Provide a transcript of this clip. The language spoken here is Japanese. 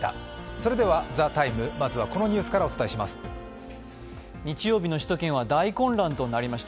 それでは「ＴＨＥＴＩＭＥ，」まずはこのニュースからお伝えします。